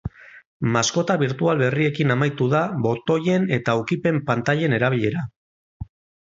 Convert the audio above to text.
Maskota birtual berriekin amaitu da botoien eta ukipen-pantailen erabilera.